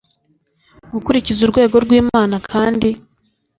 gukurikiza urugero rw'imana kandi